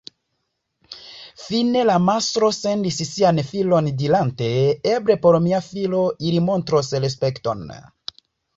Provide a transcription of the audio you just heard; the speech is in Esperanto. Fine la mastro sendis sian filon dirante: ‘Eble por mia filo ili montros respekton’.